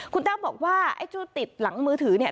คุณแต้วบอกว่าไอ้จุดติดหลังมือถือเนี่ย